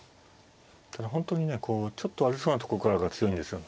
ただ本当にねこうちょっと悪そうなとこからが強いんですよ。